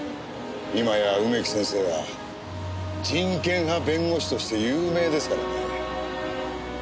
今や梅木先生は人権派弁護士として有名ですからね。